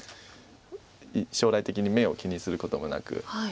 将来的に眼を気にすることもなく。